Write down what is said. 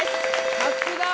さすが！